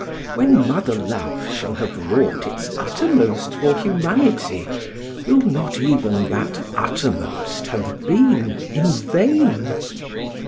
When mother love shall have wrought its utter most for humanity, will not even that uttermost have been in vain